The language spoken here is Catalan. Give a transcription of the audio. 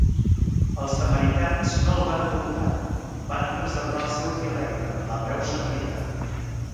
Els samaritans no el van adoptar, van preservar el seu dialecte, l'hebreu samarità.